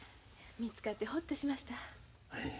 見つかってホッとしました。